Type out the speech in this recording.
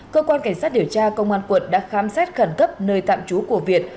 cơ quan cảnh sát điều tra công an quận đã khám xét khẩn cấp nơi tạm trú của việt